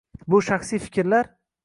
Bu shaxsiy fikrlar